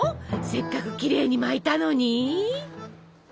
せっかくきれいに巻いたのに？